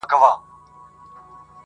دوی مو د کلي د ډیوې اثر په کاڼو ولي٫